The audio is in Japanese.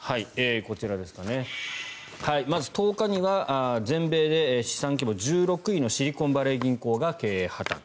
こちら、まず１０日には全米で資産規模１６位のシリコンバレー銀行が経営破たん。